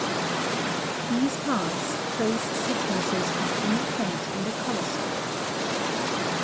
+These paths trace sequences from any point in the color solid.